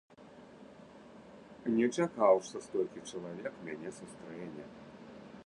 Не чакаў, што столькі чалавек мяне сустрэне.